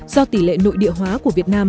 do tỷ lệ nội địa hóa của việt nam